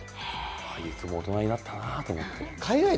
あいつも大人になったなと思って。